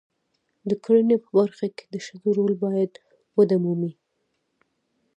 د کرنې په برخه کې د ښځو رول باید وده ومومي.